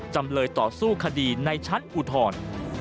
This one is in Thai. จำเลยต่อสู้คดีในชั้นอุทธรณ์